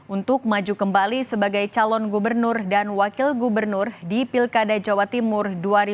untuk maju kembali sebagai calon gubernur dan wakil gubernur di pilkada jawa timur dua ribu delapan belas